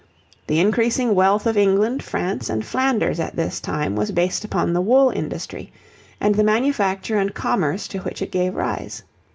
The increasing wealth of England, France, and Flanders at this time was based upon the wool industry and the manufacture and commerce to which it gave rise.